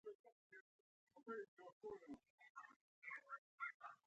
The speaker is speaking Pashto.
مغزونه یې ماشیني دي.